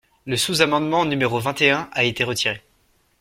Le sous-amendement numéro vingt et un a été retiré.